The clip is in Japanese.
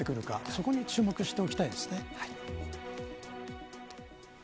そこに注目しておきたいです。